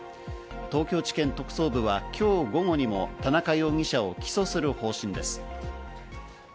東京地検特捜部は今日午後にも田中容疑者を起訴する方針です。